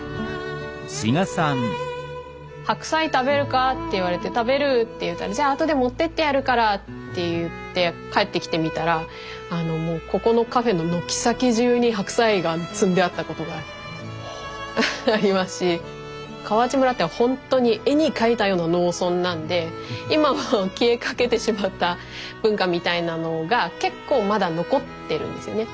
白菜食べるかって言われて食べるって言うたらじゃあ後で持ってってやるからって言って帰ってきて見たらここのカフェの軒先じゅうに白菜が積んであったことがありますし川内村ってほんとに絵に描いたような農村なんで今は消えかけてしまった文化みたいなのが結構まだ残ってるんですよね。